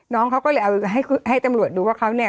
น้องเขาก็เลยเอาให้ตำรวจดูว่าเขาเนี่ย